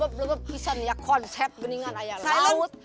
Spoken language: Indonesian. blop blop blop pisan ya konsep beningan air laut silent